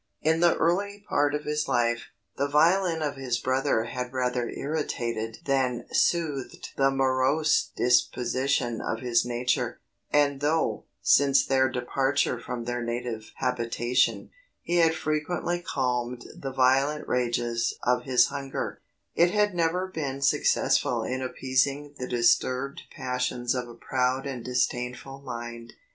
In the early part of his life, the violin of his brother had rather irritated than soothed the morose disposition of his nature: and though, since their departure from their native habitation, it had frequently calmed the violent ragings of his hunger, it had never been successful in appeasing the disturbed passions of a proud and disdainful mind.